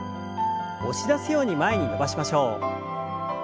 押し出すように前に伸ばしましょう。